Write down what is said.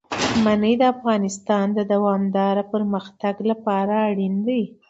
منی د افغانستان د دوامداره پرمختګ لپاره اړین دي.